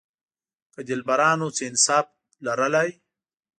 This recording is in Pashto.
که دلبرانو څه انصاف لرلای.